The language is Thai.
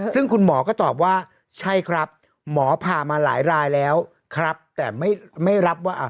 ซึ่งคุณหมอก็ตอบว่าใช่ครับหมอผ่ามาหลายรายแล้วครับ